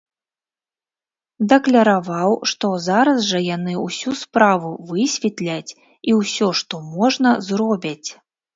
Дакляраваў, што зараз жа яны ўсю справу высветляць і ўсё, што можна, зробяць.